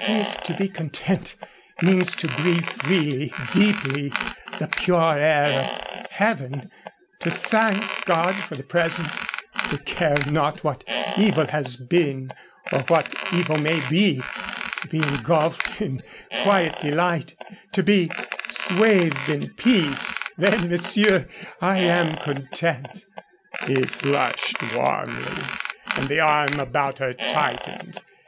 "If to be content means to breathe freely, deeply, the pure air of heaven, to thank God for the present, to care not what evil has been or what evil may be, to be engulfed in quiet delight, to be swathed in peace, then, monsieur, I am content." He flushed warmly, and the arm about her tightened.